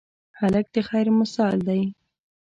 هلک د خیر مثال دی.